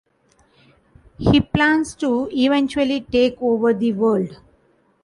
He plans to eventually take over the world.